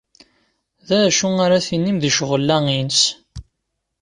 D acu ara tinim di ccɣel-a-ines?